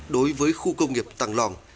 đối với khu công nghiệp toàn loàn